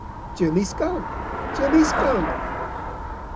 Jimmy Skunk! Jimmy Skunk!"